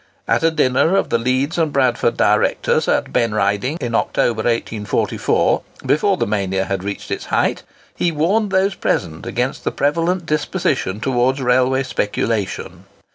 At a dinner of the Leeds and Bradford directors at Ben Rydding in October, 1844, before the mania had reached its height, he warned those present against the prevalent disposition towards railway speculation.